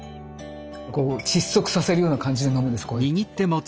こう窒息させるような感じで飲むんですこうやって。